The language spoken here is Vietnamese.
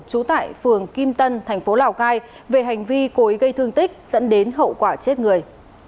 trú tại phường kim tân tp lào cai về hành vi cối gây thương tích dẫn đến hậu quả chết người